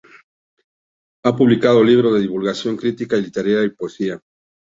Ha publicado libros de divulgación, crítica literaria y poesía.